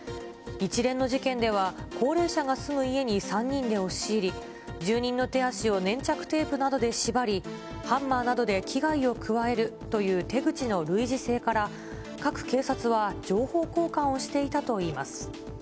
一連の事件では、高齢者が住む家に３人で押し入り、住人の手足を粘着テープなどで縛り、ハンマーなどで危害を加えるという手口の類似性から、各警察は情報交換をしていたといいます。